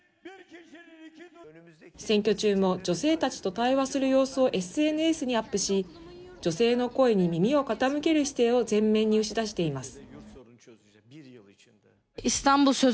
選挙中も女性たちと対話する様子をＳＮＳにアップし、女性の声に耳を傾ける姿勢を全面に打ち出しています。